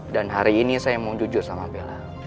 dan hari ini saya mau jujur sama bella